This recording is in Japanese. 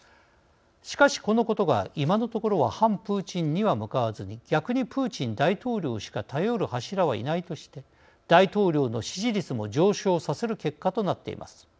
しかし、このことが今のところは反プーチンには向かわずに逆にプーチン大統領しか頼る柱はいないとして大統領の支持率も上昇させる結果となっています。